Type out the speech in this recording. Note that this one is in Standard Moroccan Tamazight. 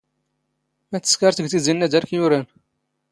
ⵎⴰⴷ ⵜⵙⴽⴰⵔⴷ ⴳ ⵜⵉⵣⵉ ⵏⵏⴰ ⴷⴰⵔⴽ ⵢⵓⵔⴰⵏ?